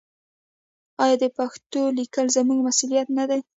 آیا د پښتو لیکل زموږ مسوولیت نه دی؟